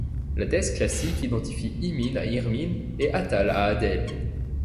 La thèse classique identifie Immine à Irmine et Attale à Adèle.